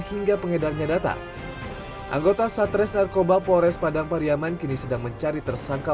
hingga pengedarnya data anggota satres narkoba pores padang pariaman kini sedang mencari tersangka